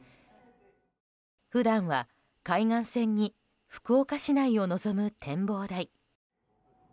普段は海岸線に福岡市内を望む展望台。